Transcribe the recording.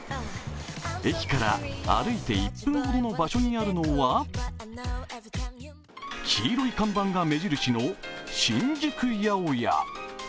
駅から歩いて１分ほどの場所にあるのは黄色い看板が目印の新宿八百屋。